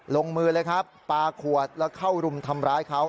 ลงมือเลยครับปลาขวดแล้วเข้ารุมทำร้ายเขา